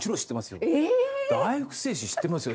大福製紙知ってますよ！